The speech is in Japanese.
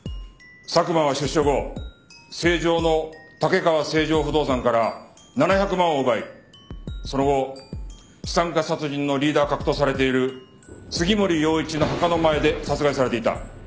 佐久間は出所後成城の竹川成城不動産から７００万を奪いその後資産家殺人のリーダー格とされている杉森陽一の墓の前で殺害されていた。